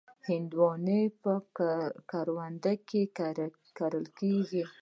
هندوانه په کرونده کې کرل کېږي.